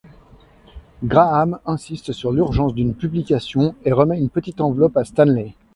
Grahamme insiste sur l'urgence d'une publication, et remet une petite enveloppe à Stanley.